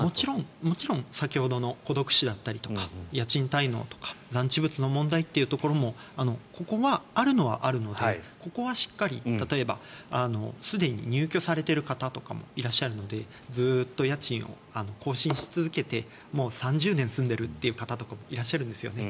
もちろん先ほどの孤独死だったりとか家賃滞納とか残置物の問題というのもここはあるのはあるのでここはしっかり例えばすでに入居されている方とかもいらっしゃるのでずっと家賃を更新し続けてもう３０年住んでいるという方もいらっしゃるんですよね。